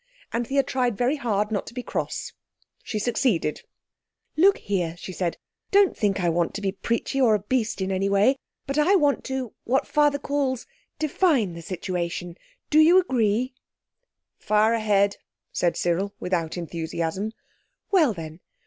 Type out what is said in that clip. Anthea tried very hard not to be cross. She succeeded. "Look here," she said, "don't think I want to be preachy or a beast in any way, but I want to what Father calls define the situation. Do you agree?" "Fire ahead," said Cyril without enthusiasm. "Well then.